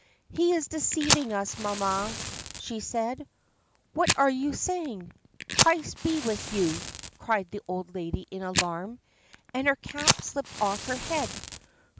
"He is deceiving us, mamma," she said. "What are you saying? Christ be with you!" cried the old lady in alarm, and her cap slipped off her head.